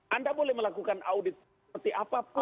anda boleh melakukan audit seperti apapun